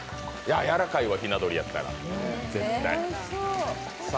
やわらかいわ、ひな鳥やったら。